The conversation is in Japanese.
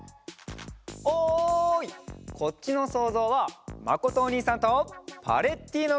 おいこっちのそうぞうはまことおにいさんとパレッティーノがしょうかいするよ！